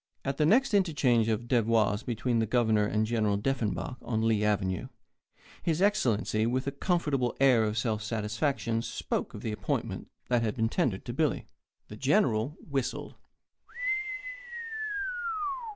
At the next interchange of devoirs between the Governor and General Deffenbaugh on Lee Avenue, His Excellency, with a comfortable air of self satisfaction, spoke of the appointment that had been tendered to Billy. The General whistled.